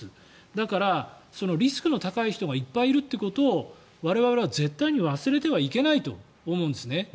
だから、リスクの高い人がいっぱいいるということを我々は絶対に忘れてはいけないと思うんですね。